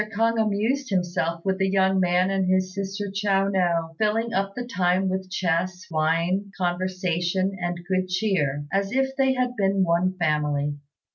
K'ung amused himself with the young man and his sister Chiao no, filling up the time with chess, wine, conversation, and good cheer, as if they had been one family.